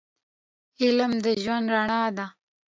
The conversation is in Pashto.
علم د ژوند رڼا ده